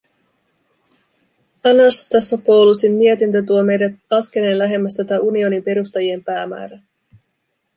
Anastassopoulosin mietintö tuo meidät askeleen lähemmäs tätä unionin perustajien päämäärää.